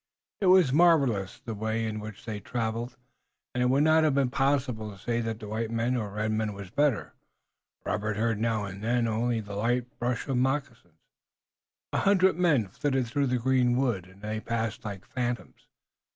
It was marvelous the way in which they traveled, and it would not have been possible to say that white man or red man was the better. Robert heard now and then only the light brush of a moccasin. A hundred men flitted through the greenwood and they passed like phantoms.